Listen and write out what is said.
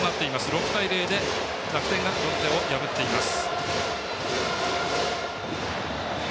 ６対０で楽天がロッテを破っています。